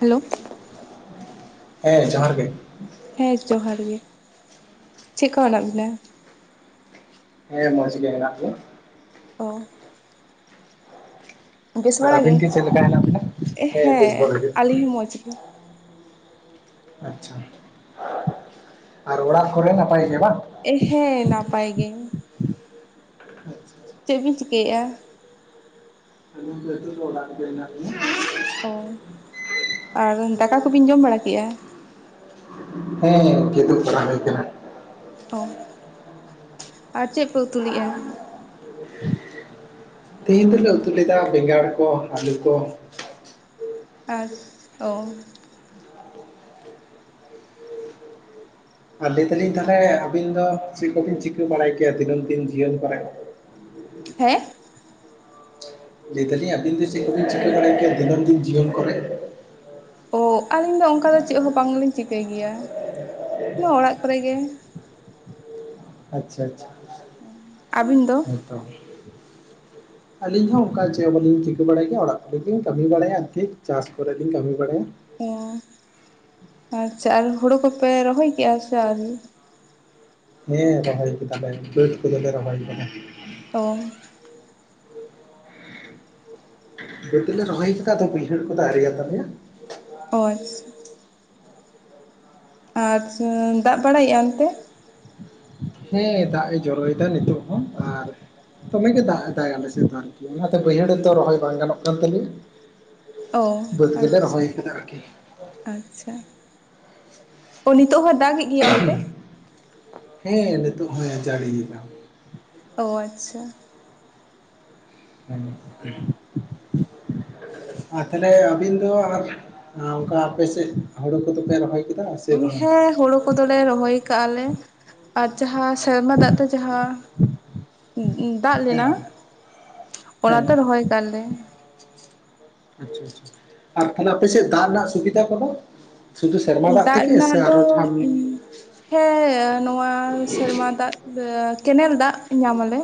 Hello, ᱦᱮᱸ ᱡᱚᱦᱟᱨ ᱜᱮ᱾ ᱦᱮᱸ ᱡᱚᱦᱟᱨ ᱜᱮ, ᱪᱮᱫᱠᱟ ᱢᱮᱱᱟᱜ ᱵᱤᱱᱟ? ᱦᱮᱸ ᱢᱚᱡᱽ ᱜᱮ ᱦᱮᱱᱟᱜ ᱞᱮᱭᱟ᱾ ᱚ ᱵᱮᱥ ᱟᱨ ᱵᱟᱲᱟ ᱟᱹᱵᱤᱱ ᱜᱮ? ᱜᱤ ᱪᱮᱫ ᱞᱮᱠᱟ ᱦᱮᱱᱟᱜ ᱵᱤᱱᱟ? ᱦᱮᱸ ᱵᱮᱥ ᱵᱟᱲᱟ ᱜᱮ᱾ ᱢᱚᱡᱽ ᱜᱮ ᱟᱪᱪᱷᱟ, ᱟᱨ ᱚᱲᱟᱜ ᱠᱚᱨᱮ ᱱᱟᱯᱟᱭ ᱜᱮ ᱵᱟᱝ? ᱮᱻ ᱦᱮᱸ ᱱᱟᱯᱟᱭ ᱜᱮ, ᱪᱮᱫ ᱵᱤᱱ ᱪᱤᱠᱟᱹᱭᱮᱫᱼᱟ? ᱦᱤᱛᱚᱜ ᱫᱚ ᱚᱲᱟᱜ ᱨᱮᱜᱮ ᱦᱮᱱᱟᱜ ᱞᱤᱧᱟ᱾ [unintelligible] ᱚ ᱟᱨ ᱫᱟᱠᱟ ᱠᱚᱵᱤᱱ ᱡᱚᱢ ᱵᱟᱲᱟ ᱠᱮᱫᱼᱟ? ᱦᱮᱸ ᱠᱮᱫᱳᱜ ᱵᱟᱲᱟ ᱦᱩᱭ ᱠᱟᱱᱟ᱾ ᱚ, ᱟᱨ ᱪᱮᱫ ᱯᱮ ᱩᱛᱩ ᱞᱮᱜᱼᱟ? [inaudible] ᱛᱤᱦᱤᱧ ᱫᱚᱞᱮ ᱩᱛᱩ ᱞᱮᱫᱟ ᱵᱮᱸᱜᱟᱲ ᱠᱚ, ᱟᱹᱞᱩ ᱠᱚ, ᱟᱪ ᱚ ᱟᱨ ᱞᱟᱹᱭ ᱫᱟᱞᱤᱧ ᱛᱟᱦᱚᱞᱮ, ᱟᱹᱵᱤᱱ ᱫᱚ ᱪᱮᱫ ᱠᱚᱵᱤᱱ ᱪᱤᱠᱟᱹ ᱵᱟᱲᱟᱭ ᱠᱮᱭᱟ ᱫᱤᱱᱟᱹᱢ ᱫᱤᱱ ᱡᱤᱭᱚᱱ ᱠᱚᱨᱮᱜ? ᱦᱮᱸ? ᱞᱟᱹᱭ ᱫᱟᱞᱤᱧ ᱟᱵᱤᱱ ᱫᱚ ᱪᱮᱫ ᱠᱚᱵᱤᱱ ᱪᱤᱠᱟᱹ ᱵᱟᱲᱟᱭ ᱜᱮᱭᱟ ᱫᱤᱱᱟᱢ ᱫᱤᱱ ᱡᱤᱵᱚᱱ ᱠᱚᱨᱮᱜ? ᱚ ᱟᱹᱞᱤᱧ ᱫᱚ ᱚᱱᱠᱟ ᱫᱚ ᱪᱮᱫ ᱦᱚᱸ ᱵᱟᱝᱞᱤᱧ ᱪᱤᱠᱟᱹᱭ ᱜᱮᱭᱟ ᱱᱚᱣᱟ ᱚᱲᱟᱜ ᱠᱚᱨᱮ ᱜᱮ᱾ ᱟᱪᱪᱷᱟ ᱟᱪᱪᱷᱟ, ᱟᱹᱵᱤᱱ ᱫᱚ? ᱦᱮᱸ ᱛᱚ, ᱟᱹᱞᱤᱧ ᱦᱚᱸ ᱚᱱᱠᱟ ᱜᱮ ᱪᱮᱫ ᱦᱚᱸ ᱵᱟᱞᱤᱧ ᱪᱤᱠᱟᱹ ᱵᱟᱲᱟᱭ ᱜᱮᱭᱟ ᱚᱲᱟᱜ ᱠᱚᱨᱮ ᱜᱮ ᱞᱤᱧ ᱠᱟᱹᱢᱤ ᱵᱟᱲᱟᱭᱟ ᱟᱨ ᱠᱤ ᱪᱟᱥ ᱠᱚᱨᱮᱞᱤᱧ ᱠᱟᱹᱢᱤ ᱵᱟᱲᱟᱭᱟ᱾ ᱚ, ᱟᱪᱪᱷᱟ ᱟᱨ ᱦᱳᱲᱩ ᱠᱚᱯᱮ ᱨᱚᱦᱚᱭ ᱠᱮᱜᱼᱟ ᱥᱮ ᱟᱹᱣᱨᱤ? ᱦᱮᱸ ᱨᱚᱦᱚᱭ ᱠᱮᱫᱟᱞᱮ ᱵᱟᱹᱫᱽ ᱠᱚᱫᱚᱞᱮ ᱨᱚᱦᱚᱭ ᱠᱮᱫᱟ᱾ ᱚ ᱫᱞᱮ ᱨᱚᱦᱚᱭ ᱠᱟᱫᱟ ᱟᱫᱚ ᱵᱟᱹᱭᱦᱟᱹᱲ ᱠᱚᱫᱚ ᱟᱣᱨᱤᱭᱟᱛᱟᱞᱮᱭᱟ᱾ ᱦᱳᱭ᱾ ᱟᱪᱷᱟ, ᱫᱟᱜ ᱵᱟᱲᱟᱭᱮᱫᱼᱟ ᱚᱱᱛᱮ? ᱦᱮᱸ ᱫᱟᱜ ᱮ ᱡᱚᱨᱚᱭᱫᱟ ᱱᱤᱛᱚᱜ ᱦᱚᱸ ᱟᱨ ᱫᱚᱢᱮ ᱜᱮ ᱫᱟᱜ ᱮᱫᱟᱭ ᱟᱞᱮᱥᱮᱫ ᱫᱚ ᱟᱨᱠᱤ ᱚᱱᱟᱛᱮ ᱵᱟᱹᱭᱦᱟᱹᱲ ᱨᱮᱫᱚ ᱨᱚᱦᱚᱭ ᱵᱟᱝ ᱜᱟᱱᱚᱜ ᱠᱟᱱ ᱛᱟᱞᱮᱭᱟ᱾ ᱚ ᱵᱟᱹᱫᱽ ᱜᱮᱞᱮ ᱟᱪᱪᱷᱟ ᱨᱚᱦᱚᱭ ᱠᱮᱫᱟ ᱟᱨᱠᱤ᱾ ᱟᱪᱪᱷᱟ, ᱚ ᱱᱤᱛᱚᱜ ᱦᱚᱸ ᱫᱟᱜ ᱮᱫ [unintelligible] ᱦᱮᱸ, ᱱᱤᱛᱳᱜ ᱦᱚᱸᱭ ᱡᱟᱹᱲᱤ ᱭᱮᱫᱟ᱾ ᱚ ᱟᱪᱪᱷᱟ᱾ [unintelligible] ᱟᱨ ᱛᱟᱦᱚᱞᱮ ᱟᱹᱵᱤᱱ ᱫᱚ ᱟᱨ ᱚᱱᱠᱟ ᱟᱯᱮ ᱥᱮᱫ ᱦᱩᱲᱳ ᱠᱚᱫᱚᱯᱮ ᱨᱚᱦᱚᱭ, ᱠᱮᱫᱟ ᱥᱮ ᱵᱟᱝᱟ ᱦᱮᱸ ᱦᱳᱲᱳ ᱠᱚᱫᱚᱞᱮ ᱨᱚᱦᱚᱭ ᱠᱟᱜ ᱟᱞᱮ ᱟᱨ ᱡᱟᱦᱟᱸ ᱥᱮᱨᱢᱟ ᱫᱟᱜ ᱛᱮ ᱡᱟᱦᱟᱸ [unintelligible] ᱫᱟᱜ ᱦᱮᱸ ᱞᱮᱱᱟ ᱦᱮᱸ ᱚᱱᱟᱛᱮ ᱨᱚᱦᱚᱭ ᱟᱠᱟᱜ-ᱟᱞᱮ ᱟᱪᱪᱷᱟ ᱟᱪᱪᱷᱟ ᱟᱨ ᱛᱟᱦᱚᱞᱮ ᱟᱯᱮᱥᱮᱫ ᱫᱟᱜ ᱨᱮᱱᱟᱜ ᱥᱩᱵᱤᱫᱟ ᱠᱚ ᱫᱚ? ᱥᱩᱫᱷᱩ ᱥᱮᱨᱢᱟ ᱫᱟᱜ ᱛᱮᱜᱮ ᱨᱮᱱᱟᱜ ᱥᱮ ᱫᱚ ᱟᱨᱚ ᱡᱟᱦᱟᱸ ᱦᱮᱸ ᱱᱚᱶᱟ ᱥᱮᱨᱢᱟ ᱫᱟᱜ ᱠᱮᱱᱮᱞ ᱫᱟᱜ ᱧᱟᱢ ᱟᱞᱮ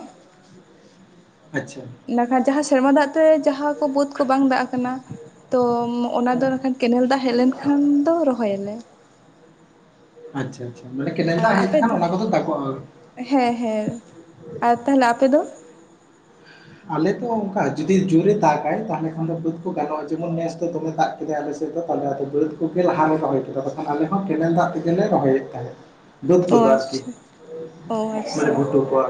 ᱟᱪᱪᱷᱟ ᱵᱟᱠᱷᱟᱱ ᱡᱟᱦᱟᱸ ᱥᱮᱨᱢᱟ ᱫᱟᱜ ᱛᱮ ᱡᱟᱦᱟᱸ ᱠᱚ ᱵᱟ‌ᱫᱽ ᱠᱚ ᱵᱟᱝ ᱫᱟᱜ ᱟᱠᱟᱱᱟ ᱛᱚ ᱚᱱᱟ ᱫᱚ ᱦᱮᱸ ᱮᱠᱷᱟᱱ ᱠᱮᱱᱮᱞ ᱫᱟᱜ ᱦᱮᱡ ᱞᱮᱱ ᱠᱷᱟᱱ ᱫᱚ ᱨᱚᱦᱚᱭᱟᱞᱮ ᱟᱪᱪᱷᱟ ᱟᱪᱪᱷᱟ ᱢᱟᱱᱮ ᱠᱮᱱᱮᱞ ᱟᱨ ᱫᱟᱜ ᱦᱮᱡ ᱟᱯᱮ ᱞᱮᱠᱷᱟᱱ ᱫᱚ ᱚᱱᱟ ᱠᱚᱫᱚ ᱫᱟᱜᱠᱚᱜᱼᱟ ᱦᱮᱸ ᱦᱮᱸ ᱟᱨ ᱛᱟᱦᱚᱞᱮ ᱟᱯᱮ ᱫᱚ? ᱟᱞᱮ ᱛᱚ ᱚᱱᱠᱟ ᱡᱩᱫᱤ ᱡᱳᱨ ᱮ ᱫᱟᱜᱟᱭ ᱛᱟᱦᱚᱞᱮ ᱠᱷᱟᱱ ᱫᱚ ᱵᱟᱹᱫᱽ ᱠᱚ ᱜᱟᱱᱚᱜᱼᱟ ᱡᱮᱢᱚᱱ ᱱᱮᱥ ᱫᱚᱢᱮ ᱫᱟᱜ ᱜᱮᱭᱟ, ᱟᱞᱮ ᱥᱮᱫ ᱫᱚ [unintelligible] ᱠᱚᱜᱮ ᱞᱟᱦᱟ ᱞᱮ ᱨᱚᱦᱚᱭ ᱠᱮᱫᱟ ᱛᱚᱠᱷᱟᱱ ᱟᱞᱮ ᱦᱚᱸ ᱠᱮᱱᱮᱞ ᱫᱟᱜ ᱛᱮᱜᱮ ᱨᱚᱦᱚᱭᱮᱫ ᱛᱟᱦᱮᱸᱫ ᱵᱟᱹᱫᱽ ᱚ ᱠᱚᱫᱚ ᱟᱨᱠᱤ ᱟᱪᱪᱷᱟ ᱚ ᱢᱟᱱᱮ ᱟᱪᱪᱷᱟ ᱜᱷᱩᱴᱩ ᱠᱚ ᱟᱨ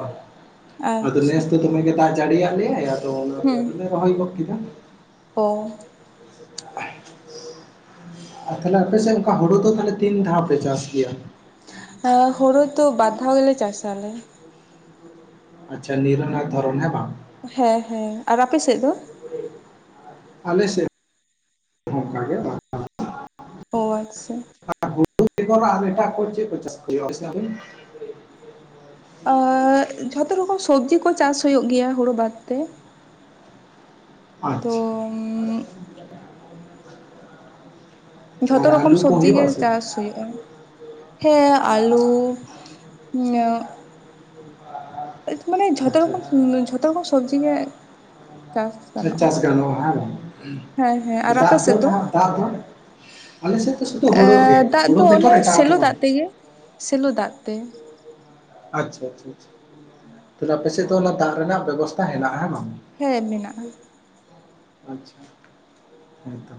ᱟᱫᱚ ᱟᱪᱪᱷᱟ ᱱᱮᱥ ᱫᱚ ᱫᱚᱢᱮ ᱜᱮ ᱫᱟᱜ ᱡᱟᱹᱲᱤᱭᱟᱫ ᱞᱮᱭᱟᱭ ᱟᱫᱚ ᱚᱱᱟ ᱛᱮ ᱦᱩᱸ ᱟᱫᱚ ᱨᱚᱦᱚᱭ ᱜᱚᱫ ᱠᱮᱫᱟ ᱚ [unintelligible] ᱟᱨ ᱛᱟᱦᱞᱮ ᱟᱯᱮᱥᱮᱫ ᱚᱱᱠᱟ ᱦᱳᱲᱳ ᱫᱚ ᱛᱤᱱ ᱫᱷᱟᱣ ᱯᱮ ᱪᱟᱥ ᱜᱮᱭᱟ? ᱦ ᱦᱚᱲᱚ ᱛᱚ ᱵᱟᱨ ᱫᱷᱟᱣ ᱜᱮ ᱞᱮ ᱪᱟᱥ ᱟᱞᱮ ᱟᱪᱪᱷᱟ ᱱᱤᱨᱱᱟ ᱫᱷᱚᱨᱚᱱ ᱦᱮ ᱵᱟᱝ ᱦᱮᱸ ᱦᱮᱸ ᱟᱨ ᱟᱯᱮᱥᱮᱫ ᱫᱚ? [unintelligible] ᱟᱞᱮ ᱥᱮ [inaudible] ᱦᱚᱸ ᱚᱱᱠᱟ ᱜᱮ [unintelligible] ᱚ ᱟᱪᱪᱷᱟ [unintelligible] ᱟᱨ ᱮᱴᱟᱜ ᱠᱚ ᱪᱮᱫ ᱠᱚ ᱪᱟᱥ ᱦᱩᱭᱩᱜᱼᱟ ᱟᱯᱮ ᱥᱮᱱ [unintelligible] ᱟᱨ ᱡᱷᱚᱛᱚ ᱨᱚᱠᱚᱢ ᱥᱚᱵᱡᱤ ᱠᱚ ᱪᱟᱥ ᱦᱩᱭᱩᱜ ᱜᱮᱭᱟ ᱦᱩᱲᱩ ᱵᱟᱫ ᱛᱮ ᱛᱚ ᱟᱪᱪᱷᱟ [unintelligible] ᱡᱷᱚᱛᱚ ᱟᱨ ᱨᱚᱠᱚᱢ ᱟᱹᱞᱩ ᱠᱚ ᱥᱚᱵᱡᱤ ᱜᱮ ᱦᱩᱭᱩᱜᱼᱟ ᱥᱮ ᱪᱟᱥ ᱦᱩᱭᱩᱜᱼᱟ ᱦᱮᱸ ᱟᱞᱩ ᱦᱚᱭᱛᱚ ᱢᱟᱱᱮ ᱡᱚᱛᱚ ᱟᱪᱪᱷᱟ ᱨᱚᱠᱚᱢ ᱡᱷᱚᱛᱚ ᱨᱚᱠᱚᱢ ᱥᱚᱵᱡᱤ ᱜᱮ ᱪᱟᱥ ᱟᱪᱪᱷᱟ ᱜᱟᱱᱚᱜᱼᱟ ᱪᱟᱥ ᱜᱟᱱᱚᱜᱼᱟ ᱦᱮᱸ ᱵᱟᱝ ᱦᱮᱸ ᱦᱮᱸ ᱟᱨ ᱟᱯᱮ ᱫᱟᱜ ᱥᱮᱫ ᱫᱚ ᱱᱟᱦᱟᱜ ᱫᱟᱜ ᱫᱚ ᱟᱞᱮ ᱥᱮᱫ ᱫᱚ ᱥᱩᱫᱷᱩ ᱮᱻ ᱦᱩᱲᱩ ᱜᱮ ᱫᱟᱜ ᱫᱚ ᱦᱩᱲᱩ ᱵᱮᱜᱚᱨ ᱚᱱᱟ ᱮᱴᱟᱜᱟᱜ ᱫᱚ ᱥᱮᱞᱚ ᱵᱟᱝ ᱫᱟᱜ ᱛᱮ ᱜᱮ ᱥᱮᱞᱚ ᱫᱟᱜ ᱛᱮ ᱟᱪᱪᱷᱟ ᱟᱪᱪᱷᱟ ᱟᱪᱪᱷᱟ ᱦᱮᱸ ᱛᱟᱦᱠᱮ ᱟᱯᱮ ᱥᱮᱫ ᱫᱚ ᱚᱱᱟ ᱫᱟᱜ ᱨᱮᱱᱟᱜ ᱵᱮᱵᱚᱥᱛᱟ ᱦᱮᱱᱟᱜᱼᱟ ᱦᱮᱸ ᱵᱟᱝ? ᱦᱮᱸ ᱢᱮᱱᱟᱜᱼᱟ ᱟᱪᱪᱷᱟ ᱦᱮᱸ ᱛᱚ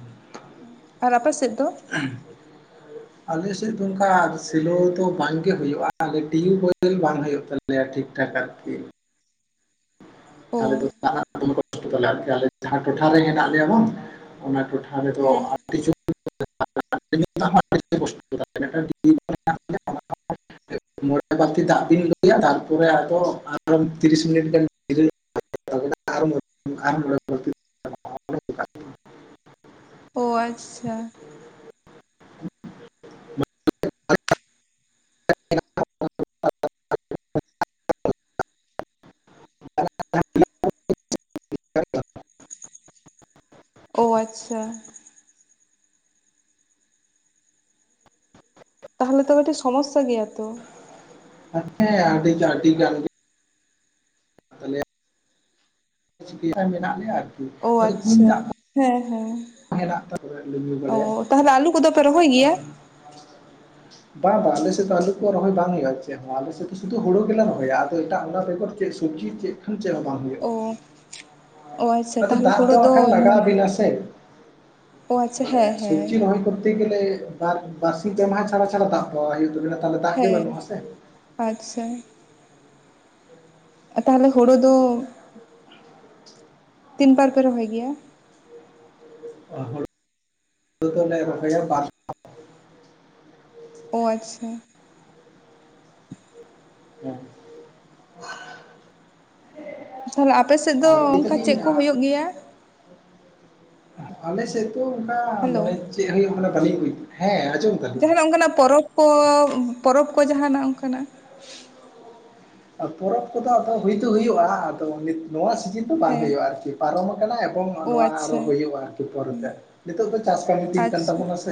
ᱟᱨ ᱟᱯᱮ ᱥᱮᱫ ᱫᱚ? [unintelligible] ᱟᱞᱮᱥᱮᱫ ᱫᱚ ᱚᱱᱠᱟ ᱥᱮᱞᱳ ᱫᱚ ᱵᱟᱝᱜᱮ ᱦᱩᱭᱩᱜᱼᱟ ᱟᱞᱮ ᱴᱤᱭᱩᱵ ᱳᱭᱮᱞ ᱵᱟᱝ ᱦᱩᱭᱩᱜ ᱛᱟᱞᱮ ᱞᱮᱭᱟ ᱴᱷᱤᱠ ᱴᱷᱟᱠ ᱟᱨᱠᱤ ᱚ ᱟᱞᱮ ᱫᱚ [unintelligible] ᱟᱞᱮ ᱡᱟᱦᱟᱸ ᱴᱚᱴᱷᱟ ᱨᱮ ᱦᱮᱱᱟᱜ ᱞᱮᱭᱟ ᱵᱟᱝ ᱚᱱᱟ ᱴᱚᱴᱷᱟ ᱟᱞᱮ ᱫᱚ [unintelligible] ᱦᱮᱸ [unintelligible] ᱢᱚᱬᱮ ᱵᱟᱨᱛᱤ ᱫᱟᱜ ᱵᱤᱱ ᱞᱟᱹᱭᱟ ᱛᱟᱨᱯᱚᱨᱮ ᱟᱫᱚ ᱟᱨ ᱛᱤᱨᱤᱥ ᱢᱤᱱᱤᱴ ᱜᱟᱱ [unintelligible] ᱳ ᱟᱪᱪᱷᱟ [unintelligible] [unintelligible] ᱳ ᱟᱪᱪᱷᱟ ᱛᱟᱦᱚᱞᱮ ᱛᱚ ᱠᱟᱹᱴᱤᱡ ᱥᱚᱢᱚᱥᱟ ᱜᱮᱭᱟ ᱛᱚ᱾ ᱦᱮᱸ ᱟᱹᱰᱤ ᱜᱟᱱ [unintelligible] [unintelligible] ᱪᱤᱠᱟ ᱢᱮᱱᱟᱜ ᱞᱮᱭᱟ ᱟᱨᱠᱤ ᱚ ᱟᱫᱚ [unintelligible] ᱠᱩᱧ ᱟᱪᱪᱷᱟ ᱫᱟᱜ ᱠᱚ ᱦᱮᱸ ᱦᱮᱸ ᱦᱮᱱᱟᱜ [unintelligible] ᱛᱟ ᱧᱩ ᱵᱟᱲᱟᱭᱟ ᱚ ᱛᱟᱦᱚᱞᱮ ᱟᱹᱞᱩ ᱠᱚᱫᱚ ᱯᱮ ᱨᱚᱦᱚᱭ ᱜᱮᱭᱟ ᱵᱟᱝ ᱵᱟᱝ ᱟᱞᱮ ᱥᱮᱫ ᱫᱚ ᱟᱹᱞᱩ ᱠᱚ ᱨᱚᱦᱚᱭ ᱵᱟᱝ ᱦᱩᱭᱩᱜᱼᱟ ᱪᱮᱫ ᱦᱚᱸ ᱟᱞᱮ ᱥᱮᱫ ᱫᱚ ᱥᱩᱫᱩ ᱦᱩᱲᱩ ᱜᱮᱞᱮ ᱨᱚᱦᱚᱭᱟ ᱟᱫᱚ ᱮᱴᱟᱜ ᱚᱱᱟ ᱵᱮᱜᱚᱨ ᱪᱮᱫ ᱠᱩᱪᱤ ᱪᱮᱫ ᱠᱷᱟᱱ ᱪᱮᱫ ᱦᱚᱸ ᱵᱟᱝ ᱦᱩᱭᱩᱜ ᱚ ᱚ ᱟᱪᱪᱷᱟ ᱛᱟᱦᱞᱮ ᱫᱟᱜ ᱦᱩᱲᱩ ᱦᱟᱸᱜ ᱫᱚ ᱠᱷᱟᱱ ᱞᱟᱜᱟᱣ ᱢᱟᱱᱮ ᱟᱵᱤᱱᱟ ᱥᱮ ᱚ ᱟᱪᱪᱷᱟ ᱦᱮᱸ ᱦᱮᱸ ᱛᱤ [unintelligible] ᱜᱮᱞᱮ ᱵᱟᱨ ᱵᱟᱨᱥᱤ ᱯᱮ ᱢᱟᱦᱟᱸ ᱪᱷᱟᱲᱟ ᱪᱷᱟᱲᱟ ᱫᱟᱜ ᱦᱚ ᱦᱩᱭᱩᱜ ᱛᱟᱵᱮᱱᱟ᱾ ᱦᱮᱸ ᱟᱪᱪᱷᱟ ᱛᱟᱦᱚᱞᱮ ᱦᱳᱲᱳ ᱫᱚ ᱛᱤᱱ ᱯᱟᱨ ᱯᱮ ᱨᱚᱦᱚᱭ ᱜᱮᱭᱟ᱾ [unintelligible] [unintelligible] ᱚ ᱟᱪᱪᱷᱟ ᱦᱮᱸ ᱛᱟᱦᱚᱞᱮ ᱟᱯᱮ ᱥᱮᱫ ᱫᱚ ᱟᱨ ᱞᱟᱹᱭ ᱚᱱᱠᱟ ᱪᱮᱫ ᱫᱟᱞᱤᱧ ᱠᱚ ᱦᱩᱭᱩᱜ ᱜᱮᱭᱟ? ᱟᱞᱮ ᱥᱮᱫ ᱫᱚ ᱚᱱᱠᱟ ᱦᱮᱞᱳ ᱵᱟᱲᱮ ᱪᱮᱫ ᱦᱩᱭᱩᱜ ᱠᱟᱞᱤᱧ ᱵᱩᱡᱽ ᱦᱮᱸ ᱟᱡᱚᱢ ᱡᱟᱦᱟᱱᱟᱜ ᱚᱱᱠᱟᱱᱟᱜ ᱯᱚᱨᱚᱵᱽ ᱠᱚ ᱯᱚᱨᱚᱵᱽ ᱠᱚ ᱡᱟᱦᱟᱱᱟᱜ ᱚᱱᱠᱟᱱᱟᱜ ᱯᱚᱨᱚᱵᱽ ᱠᱚᱫᱚ ᱟᱫᱚ ᱦᱩᱭ ᱫᱚ ᱦᱩᱭᱩᱜᱼᱟ᱾ ᱟᱫᱚ ᱱᱚᱣᱟ ᱥᱤᱡᱤᱱ ᱫᱚ ᱵᱟᱝ ᱦᱮᱸ ᱦᱩᱭᱩᱜᱼᱟ ᱟᱨᱠᱤ ᱯᱟᱨᱚᱢ ᱟᱠᱟᱱᱟ ᱮᱵᱚᱝ ᱚ ᱱᱚᱣᱟ ᱟᱨᱚ ᱟᱪᱪᱷᱟ ᱦᱩᱭᱩᱜᱼᱟ ᱟᱨᱠᱤ ᱯᱚᱨᱮᱛᱮ ᱱᱤᱛᱚᱜ ᱫᱚ ᱪᱟᱥ ᱠᱟᱹᱢᱤ ᱫᱤᱱ ᱠᱟᱱ ᱟᱪᱪᱷᱟ ᱛᱟᱵᱚᱱᱟ ᱥᱮ᱾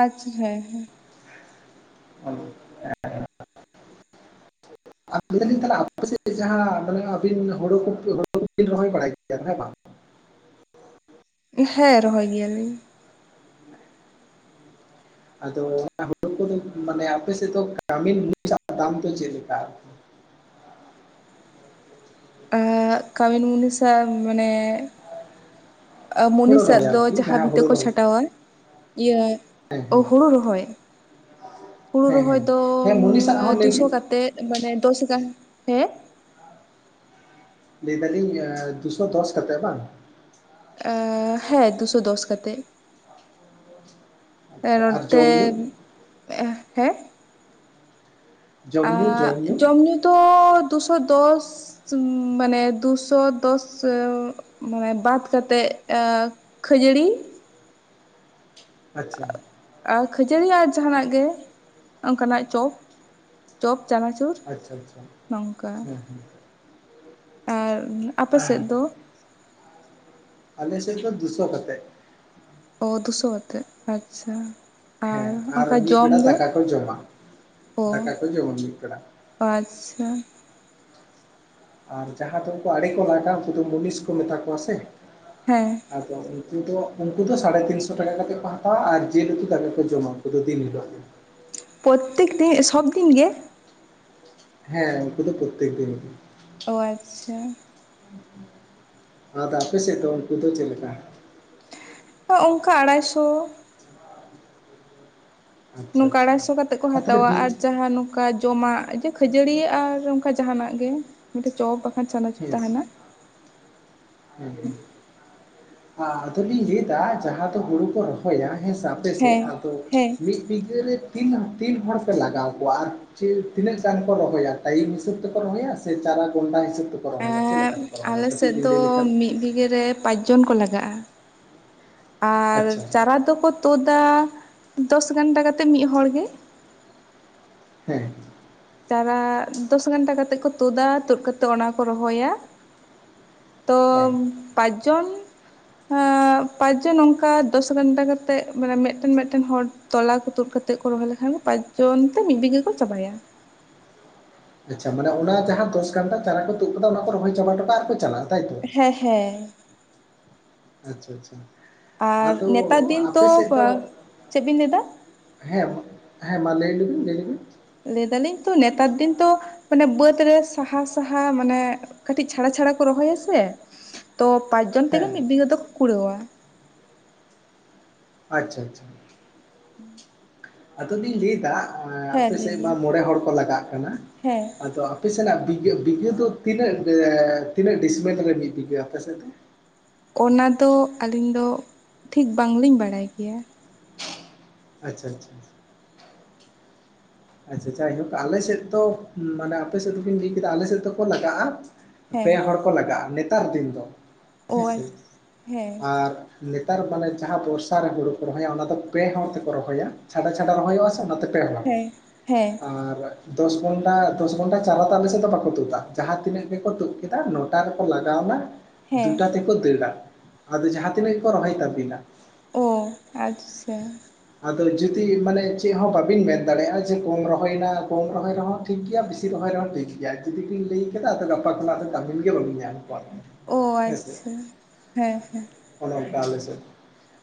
ᱟᱪᱪᱷᱟ ᱦᱮᱸ ᱦᱮᱸ ᱚ ᱦᱮᱸ [inaudible] ᱟᱨ [unintelligible] ᱛᱟᱦᱚᱞᱮ ᱟᱯᱮ ᱥᱮᱫ ᱡᱟᱦᱟᱸ [unintelligible] ᱟᱹᱵᱤᱱ ᱦᱩᱲᱩ ᱠᱚ [unintelligible] ᱨᱚᱦᱚᱭ ᱵᱟᱲᱟᱭ ᱜᱮᱭᱟ ᱦᱮᱸ ᱵᱟᱝ᱾ ᱦᱮᱸ ᱨᱚᱦᱚᱭ ᱜᱮᱭᱟᱞᱤᱧ᱾ ᱟᱫᱚ ᱦᱩᱲᱩ ᱠᱚᱫᱚ ᱢᱟᱱᱮ ᱟᱯᱮ ᱥᱮᱫ ᱫᱚ ᱠᱟᱹᱢᱤᱱ ᱫᱟᱢ ᱫᱚ ᱪᱮᱫ ᱞᱮᱠᱟ? ᱟ ᱠᱟᱹᱣᱤᱱ ᱢᱩᱱᱤ ᱥᱟ ᱢᱟᱱᱮ ᱦᱳᱲᱳ ᱢᱩᱱᱤᱥᱟᱜ ᱨᱚᱦᱚᱭ ᱫᱚ ᱟᱨᱠᱤ ᱡᱟᱦᱟᱸ ᱵᱷᱤᱛᱟᱹ ᱦᱳᱲᱳ ᱠᱚ ᱨᱚᱦᱚᱭ ᱪᱷᱟᱴᱟᱣᱟ ᱤᱭᱟᱹ ᱚ ᱦᱳᱲᱳ ᱨᱚᱦᱚᱭ᱾ ᱦᱩᱲᱩ ᱦᱮᱸ ᱨᱚᱦᱚᱭ ᱦᱮᱸ ᱫᱚ ᱦᱮᱸ ᱢᱩᱱᱤᱥᱟᱜ ᱦᱚᱸ ᱞᱟᱹᱭ ᱫᱩᱥᱚ ᱵᱤᱱ ᱠᱟᱛᱮᱫ ᱢᱟᱱᱮ ᱫᱚᱥ [unintelligible] ᱛᱮ ᱞᱟᱹᱭᱫᱟᱞᱤᱧ ᱫᱩᱥᱚ ᱫᱚᱥ ᱠᱟᱛᱮᱜ ᱵᱟᱝ᱾ ᱮ ᱦᱮᱸ ᱫᱩᱥᱚ ᱫᱚᱥ ᱠᱟᱛᱮᱜ᱾ ᱮ ᱟᱪᱪᱷᱟ ᱟᱨ ᱱᱚᱛᱮ ᱡᱚᱢ ᱧᱩ ᱦᱮᱸ᱾ ᱟᱻᱜ ᱡᱚᱢ ᱧᱩ ᱫᱚ ᱫᱩᱥᱚ ᱫᱚᱥ ᱢᱟᱱᱮ ᱫᱩᱥᱚ ᱫᱚᱥ ᱢᱟᱱᱮ ᱵᱟᱫᱽ ᱠᱟᱛᱮᱜ ᱟᱠ ᱠᱷᱟᱹᱡᱟᱹᱲᱤ, ᱟᱪᱪᱷᱟ ᱟᱨ ᱠᱷᱟᱹᱡᱟᱹᱲᱤ ᱟᱨ ᱡᱟᱦᱟᱱᱟᱜ ᱜᱮ ᱚᱱᱠᱟᱱᱟᱜ ᱪᱚᱯ ᱪᱚᱯ ᱪᱟᱱᱟ ᱛᱩᱨ ᱟᱪᱪᱷᱟ ᱟᱪᱪᱷᱟ ᱱᱚᱝᱠᱟ᱾ ᱦᱮᱸ ᱟᱨ ᱟᱯᱮ ᱥᱮᱫ ᱦᱮᱸ ᱫᱚ? ᱟᱞᱮ ᱥᱮᱜ ᱫᱚ ᱫᱩᱥᱚ ᱠᱟᱛᱮᱜ᱾ ᱚ ᱫᱩᱥᱚ ᱠᱟᱛᱮᱜ? ᱟᱪᱪᱷᱟ᱾ ᱦᱮᱸ ᱟᱨ ᱚᱱᱠᱟ ᱢᱤᱫ ᱡᱚᱢ ᱵᱮᱲᱟ ᱫᱚ ᱫᱟᱠᱟ ᱠᱚ ᱡᱚᱢᱟ, ᱚ ᱫᱟᱠᱟ ᱠᱚ ᱡᱚᱢᱟ ᱢᱤᱫ ᱵᱮᱲᱟ᱾ ᱟᱪᱪᱷᱟ ᱟᱨ ᱡᱟᱦᱟᱸ ᱫᱚ ᱩᱱᱠᱩ ᱟᱰᱮ ᱠᱚ ᱞᱟᱜᱟ ᱩᱱᱠᱩ ᱫᱚ ᱢᱩᱱᱤᱥ ᱠᱚ ᱢᱮᱛᱟ ᱠᱚᱣᱟ ᱥᱮ᱾ ᱦᱮᱸ ᱟᱫᱚ ᱩᱱᱠᱩ ᱫᱚ ᱩᱱᱠᱩ ᱫᱚ ᱥᱟᱲᱮ ᱛᱤᱱᱥᱚ ᱴᱟᱠᱟ ᱠᱟᱛᱮᱫ ᱠᱚ ᱦᱟᱛᱟᱣᱟ ᱟᱨ ᱡᱤᱞ ᱩᱛᱩ ᱫᱟᱠᱟ ᱠᱚ ᱡᱚᱢᱟ ᱩᱱᱠᱩ ᱫᱚ ᱫᱤᱱ ᱦᱤᱞᱳᱜ᱾ ᱯᱚᱛᱛᱮᱠ ᱛᱮ ᱥᱚᱵᱽᱫᱤᱱ ᱜᱮ? ᱦᱮᱸ ᱩᱱᱠᱩ ᱫᱚ ᱯᱚᱛᱛᱮᱠ ᱫᱤᱱ᱾ ᱚ ᱟᱪᱪᱷᱟ᱾ ᱟᱫᱚ ᱟᱯᱮ ᱥᱮᱫ ᱫᱚ ᱩᱱᱠᱩ ᱫᱚ ᱪᱮᱫ ᱞᱮᱠᱟ? ᱚ ᱚᱱᱠᱟ ᱟᱲᱟᱭ ᱥᱚ᱾ ᱟᱪᱪᱷᱟ ᱱᱚᱝᱠᱟ ᱟᱪᱪᱷᱟ ᱟᱲᱟᱭᱥᱚ ᱠᱟᱛᱮᱜ ᱠᱚ ᱛᱟᱦᱚᱞᱮ ᱦᱟᱛᱟᱣᱟ ᱵᱤ ᱟᱨ ᱡᱟᱦᱟᱸ ᱱᱚᱜ ᱠᱟ ᱡᱚᱢᱟᱜ ᱡᱮ ᱠᱷᱟᱹᱡᱟᱹᱲᱤ ᱟᱨ ᱚᱱᱠᱟ ᱡᱟᱦᱟᱱᱟᱜ ᱜᱮ, ᱢᱤᱫ ᱪᱚᱯ ᱵᱟᱠᱷᱟᱱ ᱪᱟᱱᱟᱪᱚᱨ ᱦᱮᱸ ᱛᱟᱦᱮᱱᱟ᱾ ᱦᱮᱸ ᱟᱫᱚᱞᱤᱧ ᱞᱟᱹᱭᱟ ᱡᱟᱦᱟᱸ ᱫᱚ ᱦᱩᱲᱩ ᱠᱚ ᱨᱚᱦᱚᱭᱟ ᱦᱮᱸ ᱥᱟ ᱯᱮᱥᱮ ᱦᱮᱸ ᱟᱫᱚ ᱦᱮᱸ ᱢᱤᱫ ᱵᱤᱜᱷᱟᱹᱨᱮ ᱛᱤᱱ ᱛᱤᱱ ᱦᱚᱲ ᱯᱮ ᱞᱟᱜᱟᱣ ᱠᱚᱣᱟ ᱟᱨ ᱪᱤᱞ ᱛᱤᱱᱟᱹᱜ ᱜᱟᱱ ᱠᱚ ᱨᱚᱦᱚᱭᱟ ᱴᱟᱭᱤᱢ ᱦᱤᱥᱟᱹᱵᱽ ᱛᱮᱠᱚ ᱨᱚᱦᱚᱭᱟ ᱥᱮ ᱪᱟᱨᱟ ᱜᱚᱱᱰᱟ ᱦᱤᱥᱟᱹᱵ ᱛᱮᱠᱚ ᱠᱚ ᱨᱚᱦᱚᱣᱟ ᱪᱮᱫ ᱮᱸ ᱞᱮᱠᱟᱛᱮ ᱠᱚ ᱨᱚᱦᱚᱣᱟ? ᱟᱞᱮ ᱠᱟᱹᱴᱤᱡ ᱥᱮᱫ ᱵᱤᱱ ᱫᱚ ᱞᱟᱹᱭ ᱞᱮᱠ ᱢᱤᱫ ᱵᱤᱜᱷᱟᱹ ᱨᱮ ᱯᱟᱸᱪ ᱡᱚᱱ ᱠᱚ ᱞᱟᱜᱟᱜᱼᱟ᱾ ᱟᱨ ᱟᱪᱪᱷᱟ ᱪᱟᱨᱟ ᱫᱚᱠᱚ ᱛᱩᱫᱟ ᱫᱚᱥ ᱜᱟᱱᱰᱟ ᱠᱟᱛᱮᱜ ᱢᱤᱫ ᱦᱚᱲ ᱜᱮ᱾ ᱦᱮᱸ ᱪᱟᱨᱟᱻ ᱫᱚᱥ ᱜᱟᱱᱰᱟ ᱠᱟᱛᱮᱫ ᱠᱚ ᱛᱩᱫᱟ, ᱛᱩᱫ ᱠᱟᱛᱮᱜ ᱚᱱᱟᱠᱚ ᱨᱚᱦᱚᱭᱟ᱾ ᱛᱚ, ᱦᱮᱸ ᱯᱟᱸᱪ ᱡᱚᱱ᱾ ᱦᱟᱸᱻᱜ ᱯᱟᱸᱪᱡᱚᱱ ᱱᱚᱝᱠᱟ ᱫᱚᱥ ᱜᱟᱱᱰᱟ ᱠᱟᱛᱮᱜ ᱢᱟᱱᱮ ᱢᱮᱫᱴᱮᱱ ᱢᱮᱫᱴᱮᱱ ᱦᱚᱲ ᱛᱚᱞᱟ ᱠᱚ ᱛᱩᱫ ᱠᱟᱛᱮᱫ ᱠᱚ ᱨᱚᱦᱚᱭ ᱞᱮᱠᱷᱟᱱ ᱫᱚ ᱯᱟᱸᱪ ᱡᱚᱱ ᱛᱮ ᱢᱤᱫ ᱵᱤᱜᱷᱟᱹ ᱠᱚ ᱪᱟᱵᱟᱭᱟ᱾ ᱟᱪᱪᱷᱟ ᱢᱟᱱᱮ ᱚᱱᱟ ᱡᱟᱦᱟᱸ ᱫᱚᱥ ᱜᱟᱱᱰᱟ ᱪᱟᱨᱟ ᱠᱚ ᱛᱩᱫ ᱟᱠᱟᱫᱟ ᱚᱱᱟ ᱠᱚ ᱨᱚᱦᱚᱭ ᱪᱟᱵᱟ ᱚᱴᱚ ᱠᱟᱜᱼᱟ ᱟᱨ ᱠᱚ ᱪᱟᱞᱟᱜ ᱛᱟᱭᱛᱚ? ᱦᱮᱸ, ᱦᱮᱸ᱾ ᱟᱪᱪᱷᱟ ᱟᱪᱪᱷᱟ ᱟᱨ ᱟᱫᱚ ᱱᱮᱛᱟᱨ ᱫᱤᱱ ᱛᱚ ᱟᱯᱮ ᱥᱮᱫ ᱫᱚ ᱪᱮᱫ ᱵᱤᱱ ᱞᱟᱹᱭᱫᱟ? ᱦᱮᱸ, ᱦᱮᱸ ᱢᱟ ᱞᱟᱹᱭ ᱞᱮᱵᱤᱱ ᱞᱟᱹᱭ ᱞᱮᱵᱤᱱ ᱞᱟᱹᱭ ᱫᱟᱞᱤᱧ ᱛᱚ ᱱᱮᱛᱟᱨ ᱫᱤᱱ ᱛᱚ ᱢᱟᱱᱮ ᱵᱟᱹᱫᱽ ᱨᱮ ᱥᱟᱦᱟ ᱥᱟᱦᱟ ᱢᱟᱱᱮ ᱠᱟᱹᱴᱤᱡ ᱪᱷᱟᱲᱟ ᱪᱷᱟᱲᱟ ᱠᱚ ᱨᱚᱦᱚᱭᱟ ᱥᱮ ᱛᱚ ᱯᱟᱸᱪᱡᱚᱱ ᱛᱮᱜᱮ ᱦᱮᱸ ᱢᱤᱫ ᱵᱤᱜᱷᱟᱹ ᱫᱚᱠᱚ ᱠᱩᱲᱟᱹᱣᱟ᱾ ᱟᱪᱪᱷᱟ ᱟᱪᱪᱷᱟ᱾ [inaudible] ᱟᱫᱚ ᱞᱤᱧ ᱞᱟᱹᱭ ᱮᱫᱟ ᱦᱮᱸ ᱞᱟᱹᱭ ᱟᱯᱮᱥᱮᱫ ᱢᱟ ᱵᱤᱱ ᱢᱚᱬᱮ ᱦᱚᱲ ᱠᱚ ᱞᱟᱜᱟᱜ ᱠᱟᱱᱟ, ᱦᱮᱸ ᱟᱫᱚ ᱟᱯᱮ ᱥᱮᱱᱟᱜ ᱵᱤᱜᱷᱟᱹ ᱵᱤᱜᱷᱟᱹ ᱫᱚ ᱛᱤᱱᱟᱹᱜ ᱮᱻ ᱛᱤᱱᱟᱹᱜ ᱰᱤᱥᱢᱤᱞ ᱨᱮ ᱢᱤᱫ ᱵᱤᱜᱷᱟᱹ ᱟᱯᱮᱥᱮᱫ ᱫᱚ? ᱚᱱᱟ ᱫᱚ ᱟᱹᱞᱤᱧ ᱫᱚ ᱴᱷᱤᱠ ᱵᱟᱝᱞᱤᱧ ᱵᱟᱲᱟᱭ ᱜᱮᱭᱟ᱾ ᱟᱪᱪᱷᱟ ᱟᱪᱪᱷᱟ᱾ ᱟᱪᱪᱷᱟ ᱟᱪᱷᱟ ᱡᱟᱭᱦᱳᱠ ᱟᱞᱮ ᱥᱮᱫ ᱫᱚ ᱢᱟᱱᱮ ᱟᱯᱮ ᱥᱮᱫ ᱫᱚᱵᱟᱧ ᱞᱟᱹᱭ ᱠᱮᱫᱟ ᱟᱞᱮ ᱥᱮᱫ ᱫᱚᱠᱚ ᱞᱟᱜᱟᱜᱼᱟ ᱯᱮ ᱦᱮᱸ ᱦᱚᱲ ᱠᱚ ᱞᱟᱜᱟᱜᱼᱟ ᱱᱮᱛᱟᱨ ᱫᱤᱱ ᱫᱚ ᱚ ᱦᱮᱸᱥᱮ, ᱦᱮᱸ ᱟᱨ ᱱᱮᱛᱟᱨ ᱢᱟᱱᱮ ᱡᱟᱦᱟᱸ ᱵᱚᱨᱥᱟ ᱨᱮ ᱦᱩᱲᱩ ᱠᱚ ᱨᱚᱦᱚᱭᱟ ᱚᱱᱟ ᱫᱚ ᱯᱮ ᱦᱚᱲ ᱛᱮᱠᱚ ᱨᱚᱦᱚᱭᱟ ᱪᱷᱟᱰᱟ ᱪᱷᱟᱰᱟ ᱨᱚᱦᱚᱭᱚᱜᱼᱟ ᱥᱮ ᱚᱱᱟᱛᱮ ᱯᱮ ᱦᱚᱲ ᱦᱮᱸ, ᱦᱮᱸ ᱟᱨ ᱫᱚᱥ ᱜᱚᱱᱰᱟ ᱫᱚᱥ ᱜᱚᱱᱰᱟ ᱪᱟᱨᱟ ᱫᱚ ᱟᱞᱮ ᱥᱮᱫ ᱫᱚ ᱵᱟᱠᱚ ᱛᱩᱫᱟ ᱡᱟᱦᱟᱸ ᱛᱤᱱᱟᱹᱜ ᱜᱮᱠᱚ ᱛᱩᱫ ᱠᱮᱫᱟ ᱱᱚᱴᱟ ᱨᱮᱠᱚ ᱞᱟᱜᱟᱣ ᱮᱱᱟ ᱦᱮᱸ ᱫᱩᱴᱟ ᱛᱮᱠᱚ ᱫᱟᱹᱲᱟ, ᱟᱫᱚ ᱡᱟᱦᱟᱸᱛᱤᱱᱟᱹᱜ ᱜᱮᱠᱚ ᱨᱚᱦᱚᱭ ᱛᱟᱵᱤᱱᱟ᱾ ᱚ, ᱟᱪᱪᱷᱟ᱾ ᱟᱫᱚ ᱡᱩᱫᱤ ᱢᱟᱱᱮ ᱪᱮᱫ ᱦᱚᱸ ᱵᱟᱵᱤᱱ ᱢᱮᱱ ᱫᱟᱲᱮᱭᱟᱜᱼᱟ ᱡᱮ ᱠᱚᱢ ᱨᱚᱦᱚᱭᱱᱟ ᱠᱚᱢ ᱨᱚᱦᱚᱭ ᱨᱮᱦᱚᱸ ᱴᱷᱤᱠ ᱜᱮᱭᱟ ᱵᱤᱥᱤ ᱨᱚᱦᱚᱭ ᱨᱮᱦᱚᱸ ᱴᱷᱤᱠ ᱜᱮᱭᱟ ᱡᱩᱫᱤ ᱵᱤᱱ ᱞᱟᱹᱭ ᱠᱮᱫᱟ ᱟᱫᱚ ᱜᱟᱯᱟ ᱠᱷᱚᱱᱟᱜ ᱫᱚ ᱠᱟᱹᱢᱤᱱ ᱜᱮ ᱵᱟᱵᱤᱱ ᱧᱟᱢ ᱠᱚᱣᱟ ᱚ ᱦᱮᱸᱥᱮ ᱟᱪᱪᱷᱟ ᱦᱮᱸᱦᱮᱸ ᱚᱱᱮ ᱚᱱᱠᱟ ᱟᱞᱮᱥᱮᱫ,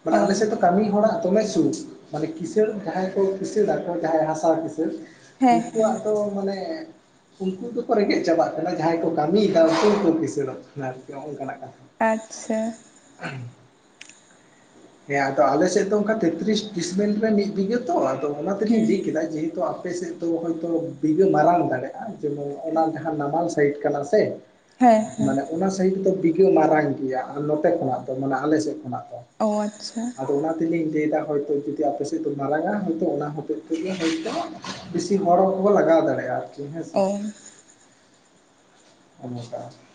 ᱢᱟᱱᱮ ᱟᱞᱮᱥᱮᱫ ᱫᱚ ᱠᱟᱢᱤ ᱦᱚᱲᱟᱜ ᱫᱚᱢᱮ ᱥᱩᱠᱷ ᱢᱟᱱᱮ ᱠᱸᱤᱥᱟᱹᱲ ᱡᱟᱦᱟᱸᱭ ᱠᱚ ᱠᱤᱥᱟᱹᱲᱟᱠᱚ ᱡᱟᱦᱟᱸᱭ ᱦᱟᱥᱟ ᱠᱸᱤᱥᱟᱹᱲ ᱦᱮᱸ ᱩᱱᱠᱩᱣᱟᱜ ᱦᱮᱸ ᱫᱚ ᱢᱟᱱᱮ ᱩᱱᱠᱩ ᱫᱚᱠᱚ ᱨᱮᱸᱜᱮᱡ ᱪᱟᱵᱟᱜ ᱠᱟᱱᱟ ᱡᱟᱦᱟᱸᱭ ᱠᱚ ᱠᱟᱹᱢᱤᱭᱮᱫᱟ ᱩᱱᱠᱩ ᱜᱮᱠᱚ ᱠᱤᱥᱟᱹᱟᱹᱲᱚᱜ ᱠᱟᱱᱟ ᱟᱨᱠᱤ ᱱᱚᱜᱼ ᱱᱚᱝᱠᱟᱱᱟᱜ ᱠᱟᱛᱷᱟ ᱟᱪᱪᱷᱟ ᱦᱮᱸ ᱟᱫᱚ ᱟᱞᱮ ᱥᱮᱫ ᱫᱚ ᱚᱱᱠᱟ ᱛᱮᱛᱨᱤᱥ ᱰᱤᱥᱢᱤ ᱨᱮ ᱢᱤᱫ ᱵᱤᱜᱷᱟᱹ ᱛᱚ ᱟᱫᱚ ᱚᱱᱟ ᱛᱮᱞᱤᱧ ᱦᱩᱸ ᱞᱟᱹᱭ ᱠᱮᱫᱟ ᱡᱮᱦᱮᱛᱩ ᱟᱯᱮᱥᱮᱫ ᱫᱚ ᱦᱚᱳᱭᱛᱚ ᱵᱤᱜᱷᱟᱹ ᱢᱟᱨᱟᱝ ᱫᱟᱲᱮᱭᱟᱜᱼᱟ ᱡᱮᱢᱚᱱ ᱚᱱᱟ ᱡᱟᱦᱟᱸ ᱱᱟᱢᱟᱞ ᱥᱟᱭᱤᱰ ᱠᱟᱱᱟ ᱥᱮ ᱦᱮᱸ ᱦᱮᱸ ᱢᱟᱱᱮ ᱚᱱᱟ ᱥᱟᱭᱤᱰ ᱫᱚ ᱵᱤᱜᱷᱟᱹ ᱢᱟᱨᱟᱝ ᱜᱮᱭᱟ ᱟᱨ ᱱᱚᱛᱮ ᱠᱷᱚᱱᱟᱜ ᱫᱚ ᱢᱟᱱᱮ ᱟᱞᱮ ᱥᱮᱫ ᱠᱷᱚᱱᱟᱜ ᱫᱚ ᱚ ᱟᱪᱪᱷᱟ ᱛᱚ ᱚᱱᱟ ᱛᱮᱞᱤᱧ ᱞᱟᱹᱭ ᱫᱟ ᱦᱚᱭᱛᱚ ᱡᱩᱫᱤ ᱟᱯᱮ ᱥᱮᱫ ᱫᱚ ᱢᱟᱨᱟᱝᱟ ᱦᱚᱭᱛᱚ ᱚᱱᱟ ᱦᱚᱛᱮᱫ ᱛᱮᱜᱮ ᱦᱚᱭᱛᱚ ᱵᱤᱥᱤ ᱦᱚᱲ ᱠᱚ ᱞᱟᱜᱟᱣ ᱫᱟᱲᱮᱭᱟᱜᱼᱟ ᱟᱨ ᱡᱮ ᱦᱮᱥᱮ ᱚ [unintelligible]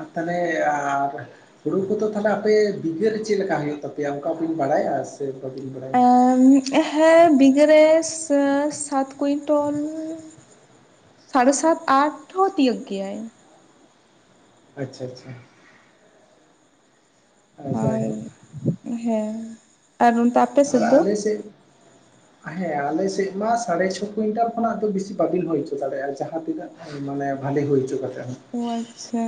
ᱟ ᱛᱟᱞᱮ ᱟᱨ ᱦᱩᱲᱩ ᱠᱚᱫᱚ ᱛᱟᱦᱞᱮ ᱟᱯᱮ ᱵᱤᱜᱷᱟᱹ ᱨᱮ ᱪᱮᱫ ᱞᱮᱠᱟ ᱦᱩᱭᱩᱜ ᱛᱟᱯᱮᱭᱟ ᱚᱱᱠᱟ ᱵᱤᱱ ᱵᱟᱲᱟᱭᱟ ᱥᱮ ᱵᱟᱹᱵᱤᱱ ᱵᱟᱲᱟᱭᱟ? ᱦᱮᱸ ᱵᱤᱜᱷᱟᱹ ᱨᱮ ᱥᱮ ᱥᱟᱛ ᱠᱩᱭᱤᱱᱴᱚᱞ ᱥᱟᱲᱮ ᱥᱟᱛ ᱟᱴ ᱦᱚᱸ ᱛᱤᱭᱚᱜ ᱜᱮᱭᱟᱭ ᱟᱪᱪᱷᱟ ᱟᱪᱪᱷᱟ, ᱟ ᱡᱟᱭᱦᱳᱠ ᱟᱨ ᱦᱮᱸ ᱟᱨ ᱚᱱᱛᱮ ᱟᱯ ᱟᱨ ᱟᱞᱮᱥᱮᱜ [unintelligible] ᱦᱮᱸ ᱟᱞᱮ ᱥᱮᱫ ᱢᱟ ᱥᱟᱲᱮ ᱪᱷᱚ ᱠᱩᱭᱤᱱᱴᱟᱞ ᱠᱷᱚᱱᱟᱜ ᱫᱚ ᱵᱮᱥᱤ ᱵᱟᱵᱤᱱ ᱦᱳᱭ ᱦᱚᱪᱚ ᱫᱟᱲᱮᱭᱟᱜᱼᱟ ᱡᱟᱦᱟᱸ ᱛᱤᱱᱟᱹᱜ ᱢᱟᱱᱮ ᱵᱷᱟᱞᱮ ᱦᱳᱭ ᱪᱚ ᱠᱟᱛᱮᱜ ᱦᱚᱸ ᱚ ᱟᱪᱪᱷᱟ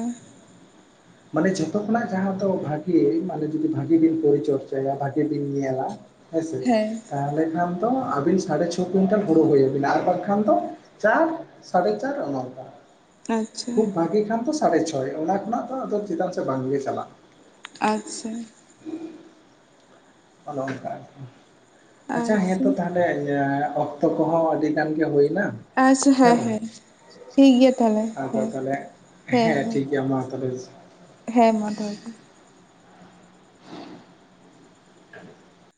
ᱢᱟᱱᱮ ᱡᱷᱚᱛᱚ ᱠᱷᱚᱱᱟᱜ ᱡᱟᱸᱦᱟ ᱫᱚ ᱵᱷᱟᱜᱮ ᱢᱟᱱᱮ ᱡᱩᱫᱤ ᱵᱷᱟᱜᱮ ᱵᱤᱱ ᱯᱚᱨᱤᱪᱚᱨᱪᱟᱭᱟ ᱵᱷᱟᱜᱮ ᱵᱤᱱ ᱧᱮᱞᱟ ᱦᱮᱸᱥᱮ ᱦᱮᱸ ᱛᱟᱦᱞᱮ ᱠᱷᱟᱱ ᱛᱚ ᱟᱵᱤᱱ ᱥᱟᱲᱮ ᱪᱷᱚ ᱠᱩᱭᱤᱱᱴᱟᱞ ᱚ ᱦᱩᱲᱩ ᱦᱩᱭ ᱟᱵᱤᱱᱟ ᱟᱵᱟᱝ ᱠᱦᱟᱱ ᱛᱚ ᱪᱟᱨ ᱥᱟᱲᱮ ᱪᱟᱨ ᱚᱱᱮ ᱚᱱᱠᱟ, ᱟᱪᱪᱷᱟ ᱠᱷᱩᱵ ᱵᱟ ᱵᱷᱟᱜᱮ ᱠᱷᱟᱱ ᱫᱚ ᱥᱟᱲᱮ ᱪᱷᱚᱭ ᱚᱱᱟ ᱠᱷᱚᱱᱟᱜ ᱫᱚ ᱟᱫᱚ ᱪᱮᱫᱟᱜ ᱥᱮ ᱵᱟᱝ ᱜᱮ ᱪᱟᱞᱟᱜ ᱟᱪᱪᱷᱟ ᱚᱱᱮ ᱚᱱᱠᱟ ᱟᱨᱠᱤ, ᱟᱪᱪᱷᱟ ᱦᱮᱸᱛᱚ ᱛᱟᱦᱞᱮ [unintelligible] ᱚᱠᱛᱚ ᱠᱚᱸᱦᱚ ᱟᱹᱰᱤ ᱜᱟᱱ ᱜᱮ ᱦᱳᱭᱱᱟ ᱟᱪᱪᱷᱟ ᱦᱮᱸ ᱦᱮᱸ ᱴᱷᱤᱠ ᱜᱮᱭᱟ ᱛᱟᱦᱞᱮ ᱟᱫᱚ ᱦᱮᱸ ᱛᱟᱦᱚᱞᱮ ᱦᱮᱸ ᱦᱮᱸ ᱴᱷᱤᱠ ᱜᱮᱭᱟ ᱢᱟ ᱛᱟᱦᱚᱞᱮ ᱦᱮᱸ ᱢᱟ ᱫᱚᱦᱚᱭ ᱫᱟᱹᱧ [unintelligible]